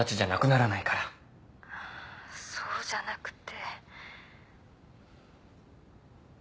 そうじゃなくて。